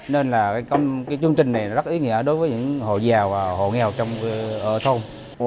nên là chương trình này rất ý nghĩa đối với những hồ giàu và hồ nghèo ở thôn